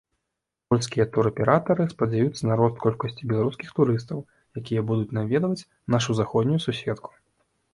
Польскія тураператары спадзяюцца на рост колькасці беларускіх турыстаў, якія будуць наведваць нашу заходнюю суседку.